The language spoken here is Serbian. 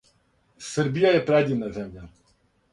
Srbija je predivna zemlja.